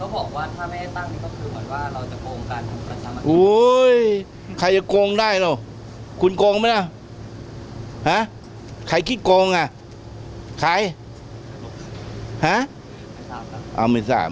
เขาบอกว่าถ้าไม่ให้ตั้งก็คือเหมือนว่าเราจะโกงการผู้กันชะมัด